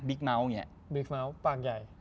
บิ๊กเม้าส์ปากใหญ่